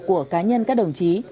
của cá nhân các đồng chí